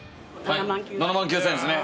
７万９，０００円ですね。